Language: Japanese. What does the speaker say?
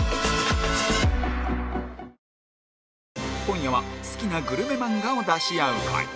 今夜は好きなグルメ漫画を出し合う回